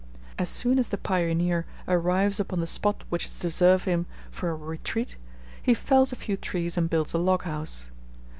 As soon as the pioneer arrives upon the spot which is to serve him for a retreat, he fells a few trees and builds a loghouse.